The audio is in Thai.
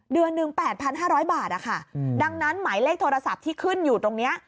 เดือนหนึ่ง๘๕๐๐บาทดังนั้นหมายเลขโทรศัพท์ที่ขึ้นอยู่ตรงนี้